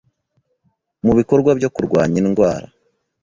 mu bikorwa byo kurwanya indwara